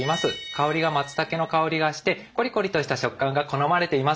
香りがまつたけの香りがしてコリコリとした食感が好まれています。